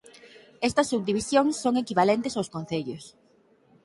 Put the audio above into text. Estas subdivisións son equivalentes aos concellos.